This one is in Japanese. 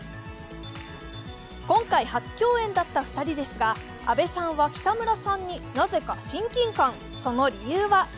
今回初共演だった２人ですが、阿部さんは北村さんになぜか親近感、その理由は？